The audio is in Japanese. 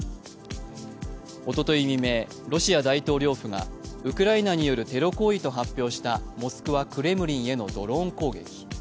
おととい未明、ロシア大統領府がウクライナによるテロ行為と発表したモスクワ・クレムリンへのドローン攻撃。